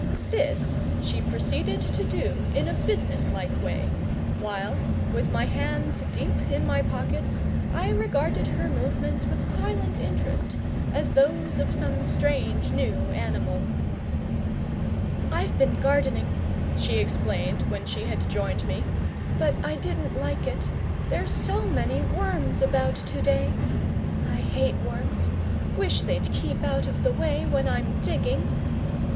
This she proceeded to do in a businesslike way, while, with my hands deep in my pockets, I regarded her movements with silent interest, as those of some strange new animal. "I've been gardening," she explained, when she had joined me, "but I didn't like it. There's so many worms about to day. I hate worms. Wish they'd keep out of the way when I'm digging."